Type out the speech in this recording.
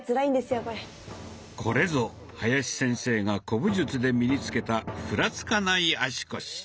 これぞ林先生が古武術で身につけたふらつかない足腰。